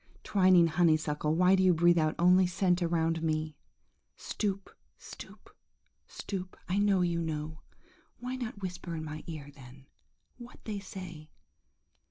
twining honeysuckle, why do you breathe out only scent around me? Stoop, stoop, stoop! I know you know! Why not whisper in my ear, then, what they say?